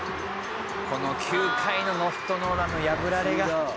「この９回のノーヒットノーランの破られが」